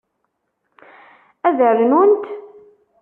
Ad rnunt?